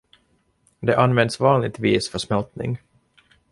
Det används vanligtvis för smältning.